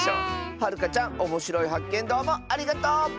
はるかちゃんおもしろいはっけんどうもありがとう！